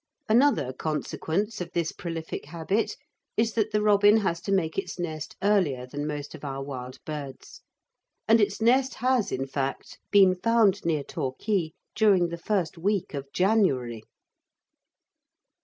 Another consequence of this prolific habit is that the robin has to make its nest earlier than most of our wild birds, and its nest has, in fact, been found near Torquay during the first week of January.